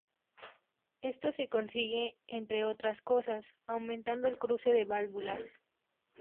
Esto se consigue, entre otras cosas, aumentando el cruce de válvulas.